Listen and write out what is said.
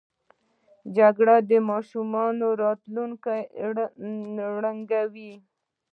جګړه د ماشومانو راتلونکی ړنګوي